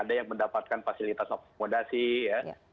ada yang mendapatkan fasilitas akomodasi ya